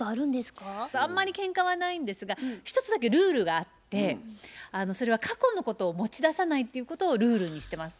あんまりけんかはないんですが一つだけルールがあってそれは過去のことを持ち出さないっていうことをルールにしてます。